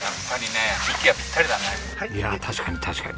いや確かに確かに。